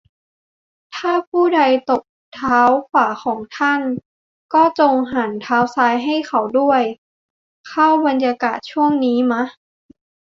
ถ้าผู้ใดตบเท้าขวาของท่าน ก็จงหันเท้าซ้ายให้เขาด้วย เข้าบรรยากาศช่วงนี้มะ ?